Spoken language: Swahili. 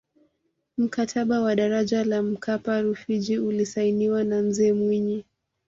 mkataba wa daraja la mkapa rufiji ulisainiwa na mzee mwinyi